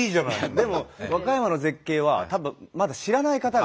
でも和歌山の絶景はたぶんまだ知らない方が。